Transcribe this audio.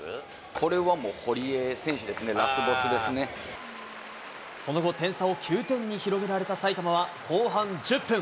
これはもう堀江選手ですね、その後、点差を９点に広げられた埼玉は後半１０分。